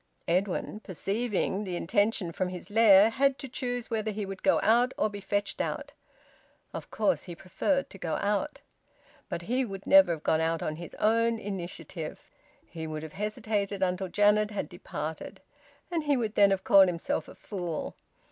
Edwin, perceiving the intention from his lair, had to choose whether he would go out or be fetched out. Of course he preferred to go out. But he would never have gone out on his own initiative; he would have hesitated until Janet had departed, and he would then have called himself a fool.